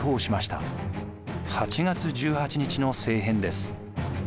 八月十八日の政変です。